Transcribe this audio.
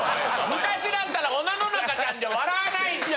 昔だったらおのののかちゃんで笑わないんすよ。